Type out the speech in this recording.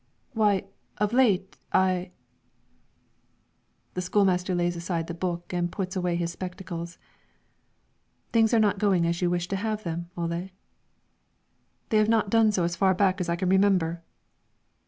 "Why, of late, I" The school master lays aside the book and puts away his spectacles. "Things are not going as you wish to have them, Ole?" "They have not done so as far back as I can remember."